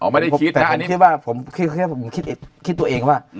อ๋อไม่ได้คิดแต่ผมคิดตัวเองว่า